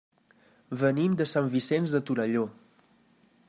Venim de Sant Vicenç de Torelló.